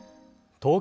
東京